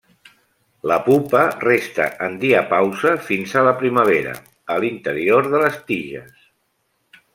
La pupa resta en diapausa fins a la primavera a l'interior de les tiges.